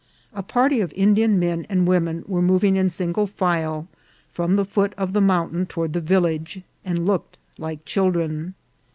A party of Indian men and women were moving in single file from the foot of the mountain toward the village, and looked like children.